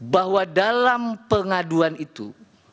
bahwa dalam pengaduan itu